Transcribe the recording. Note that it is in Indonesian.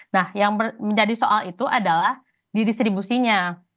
nah yang menjadi soal itu adalah di distribusinya